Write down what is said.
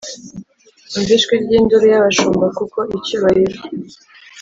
Umva ijwi ry induru y abashumba kuko icyubahiro